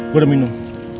gue udah minum